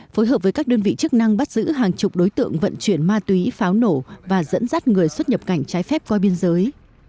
phối hợp với các đơn vị chức năng bắt giữ hàng chục đối tượng vận chuyển ma túy pháo nổ và dẫn dắt người xuất nhập cảnh trái phép qua biên giới